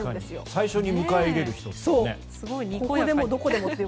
最初に迎え入れる人ですね。